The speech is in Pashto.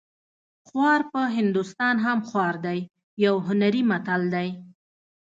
خوار په هندوستان هم خوار دی یو هنري متل دی